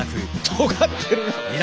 とがってるな！